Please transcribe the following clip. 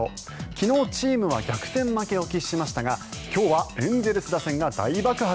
昨日、チームは逆転負けを喫しましたが今日はエンゼルス打線が大爆発。